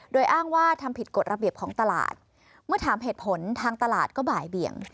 โดยอ้างว่าทำผิดกฎระเบียบของตลาดเมื่อถามเหตุผลทางตลาดก็บ่ายเบี่ยง